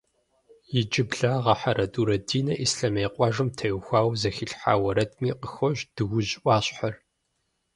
Иджыблагъэ Хьэрэдурэ Динэ Ислъэмей къуажэм теухуауэ зэхилъхьа уэрэдми къыхощ Дуужь ӏуащхьэр.